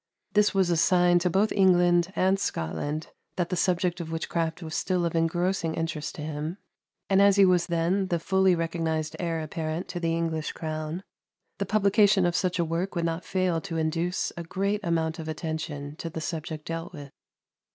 This was a sign to both England and Scotland that the subject of witchcraft was still of engrossing interest to him; and as he was then the fully recognized heir apparent to the English crown, the publication of such a work would not fail to induce a great amount of attention to the subject dealt with.